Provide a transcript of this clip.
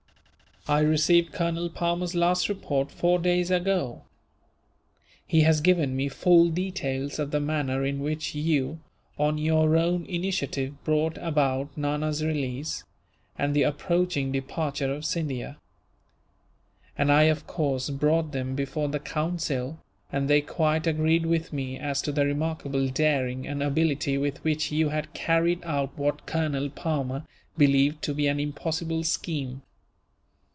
"I received Colonel Palmer's last report, four days ago. He has given me full details of the manner in which you, on your own initiative, brought about Nana's release, and the approaching departure of Scindia; and I of course brought them before the Council, and they quite agreed with me as to the remarkable daring and ability with which you had carried out what Colonel Palmer believed to be an impossible scheme.